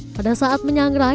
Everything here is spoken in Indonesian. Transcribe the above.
pada saat menyangrai